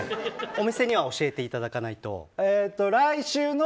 お店には教えていただかないと。